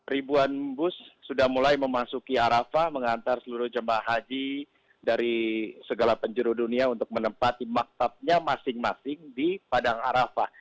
ribuan bus sudah mulai memasuki arafah mengantar seluruh jemaah haji dari segala penjuru dunia untuk menempati maktabnya masing masing di padang arafah